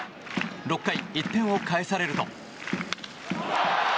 ６回、１点を返されると。